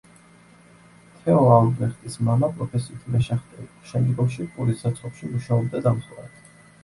თეო ალბრეხტის მამა პროფესიით მეშახტე იყო, შემდგომში პურის საცხობში მუშაობდა დამხმარედ.